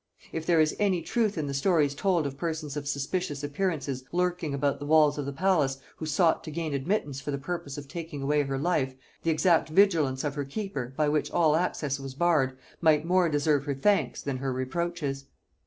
If there is any truth in the stories told of persons of suspicious appearance lurking about the walls of the palace, who sought to gain admittance for the purpose of taking away her life, the exact vigilance of her keeper, by which all access was barred, might more deserve her thanks than her reproaches.